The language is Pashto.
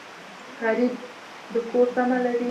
غریب د کور تمه لري